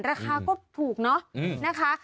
ราคาก็ถูกเนอะนะคะ